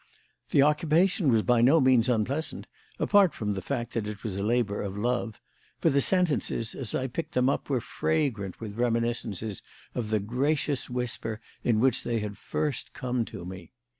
The occupation was by no means unpleasant, apart from the fact that it was a labour of love; for the sentences, as I picked them up, were fragrant with reminiscences of the gracious whisper in which they had first come to me.